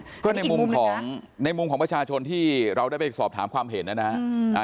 อันนี้อีกมุมนะครับในมุมของในมุมของประชาชนที่เราได้ไปสอบถามความเห็นนะฮะ